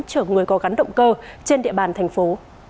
chở người có gắn động cơ trên địa bàn thành phố